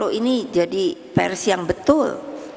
oh ini jadi pers yang betul